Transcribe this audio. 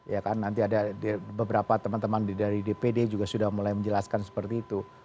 ya kan nanti ada beberapa teman teman dari dpd juga sudah mulai menjelaskan seperti itu